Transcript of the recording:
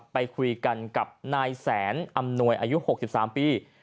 ไปคุยกันกับนายแสนอำนวยอายุ๖๓ปี